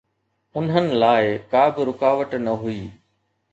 انهن لاءِ ڪا به رڪاوٽ نه هئي.